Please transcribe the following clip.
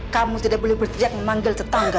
kamu tidak boleh bertijak memanggil tetangga